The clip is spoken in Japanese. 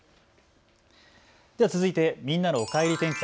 続いてみんなのおかえり天気